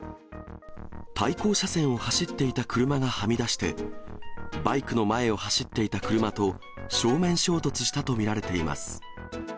対向車線を走っていた車がはみ出して、バイクの前を走っていた車と正面衝突したと見られています。